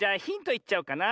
いっちゃおうかな。